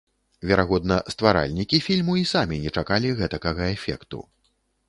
Верагодна, стваральнікі фільму і самі не чакалі гэтакага эфекту.